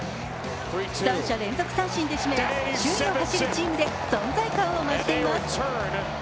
３者連続三振で、首位を走るチームで存在感を増しています。